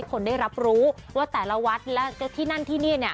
เพราะว่าแต่ละวัดและที่นั่นที่นี่